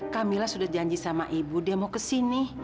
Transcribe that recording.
kamila sudah janji sama ibu dia mau ke sini